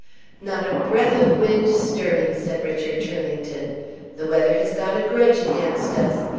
"Not a breath of wind stirring!" said Richard Turlington. "The weather has got a grudge against us.